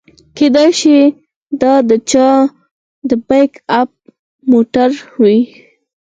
کیدای شي دا د چا د پیک اپ موټر وي